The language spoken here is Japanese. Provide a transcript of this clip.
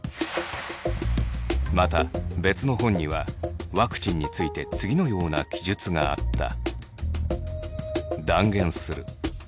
また別の本にはワクチンについて次のような記述があった。